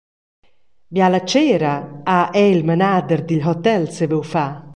Biala tschera ha era il menader dil hotel saviu far.